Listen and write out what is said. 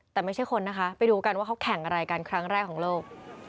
แต่ไม่ใช่คนนะคะไปดูกันว่าเขาแข่งอะไรกันครั้งแรกของโลก